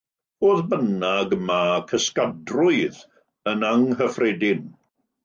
Fodd bynnag, mae cysgadrwydd, yn anghyffredin.